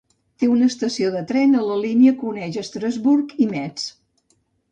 Té una estació de tren a la línia que uneix Strasbourg i Metz.